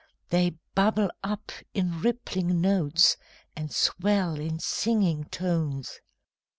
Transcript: They bubble up in rippling notes, and swell in singing tones.